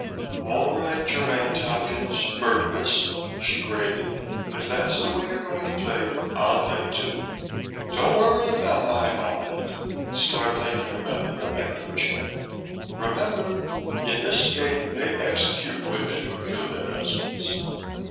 "All right, Germaine Tompkins, murderess," she grated. "If that's the way you're going to play it, I'll play too. Don't worry about my mind. Start thinking about the electric chair. Remember, in this state they execute women who kill their husbands."